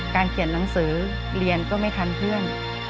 เขียนหนังสือเรียนก็ไม่ทันเพื่อน